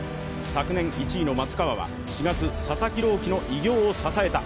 昨年１位の松川は４月、佐々木朗希の偉業を支えた。